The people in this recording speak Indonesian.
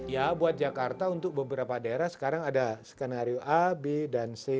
ya buat jakarta untuk beberapa daerah sekarang ada skenario a b dan c